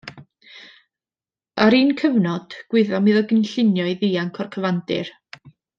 Ar un cyfnod, gwyddom iddo gynllunio i ddianc o'r cyfandir.